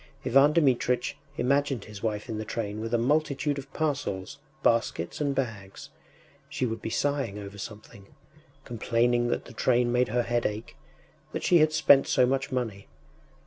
Ivan Dmitritch imagined his wife in the train with a multitude of parcels, baskets, and bags; she would be sighing over something, complaining that the train made her head ache, that she had spent so much money....